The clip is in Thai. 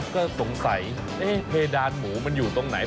ก็สงสัยเพดานหมูมันอยู่ตรงไหน